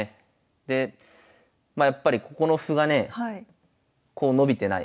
でまあやっぱりここの歩がねこう伸びてない。